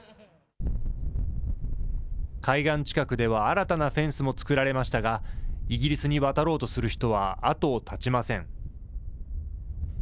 海外近くでは新たなフェンスも作られましたが、イギリスに渡ろうとする人は後を絶ちません。